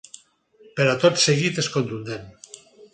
Però tot seguit és contundent.